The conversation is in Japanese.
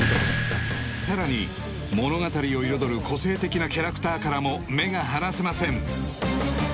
さらに物語を彩る個性的なキャラクターからも目が離せません